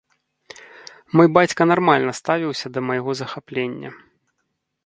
Мой бацька нармальна ставіўся да майго захаплення.